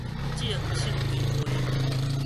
政策規劃